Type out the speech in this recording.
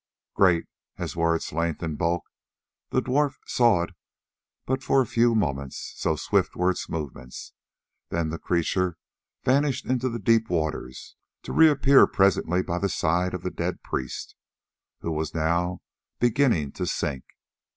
Great as were its length and bulk, the dwarf saw it but for a few moments, so swift were its movements; then the creature vanished into the deep waters, to reappear presently by the side of the dead priest, who was now beginning to sink.